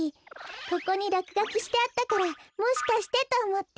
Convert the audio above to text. ここにらくがきしてあったからもしかしてとおもって。